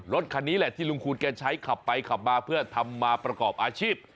รถคันนี้แหละที่ลุงคูณแกใช้ขับไปขับมาเพื่อทำมาประกอบอาชีพ